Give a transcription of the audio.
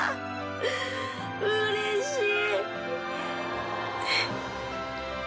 うれしい！